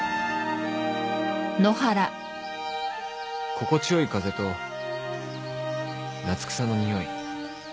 心地よい風と夏草の匂い